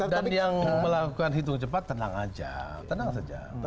dan yang melakukan hitung cepat tenang saja